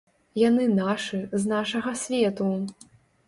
Яны нашы, з нашага свету.